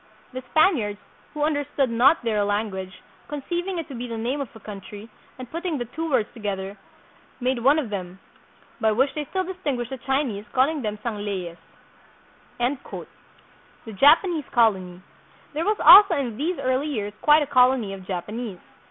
The Spaniards, who understood not their language, con 'ceiving it to be the name of a country, and putting the two words together, made one of them, by which they still distinguish the Chinese, calling them. Sangleyes." THREE HUNDRED YEARS AGO. 185 The Japanese Colony. There was also hi these early years quite a colony of Japanese.